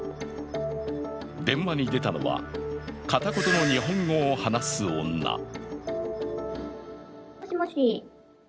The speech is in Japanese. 電話に出たのは片言の日本語を話す女。